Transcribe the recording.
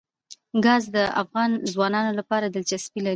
ګاز د افغان ځوانانو لپاره دلچسپي لري.